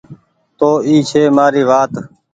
تو اي ڇي مآري وآت